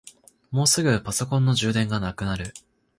もうすぐパソコンの充電がなくなる。